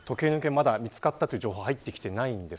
まだ見つかったという情報は入っていません。